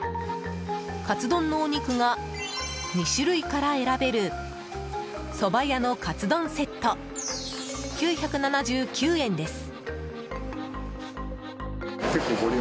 カツ丼のお肉が２種類から選べる蕎麦屋のカツ丼セット９７９円です。